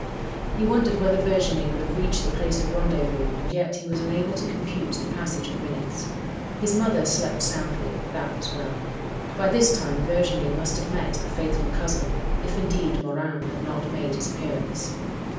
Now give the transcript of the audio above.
He wondered whether Virginie would have reached the place of rendezvous, and yet he was unable to compute the passage of minutes. His mother slept soundly: that was well. By this time Virginie must have met the 'faithful cousin:' if, indeed, Morin had not made his appearance.